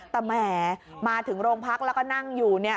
แต่แหมมาถึงโรงพักแล้วก็นั่งอยู่เนี่ย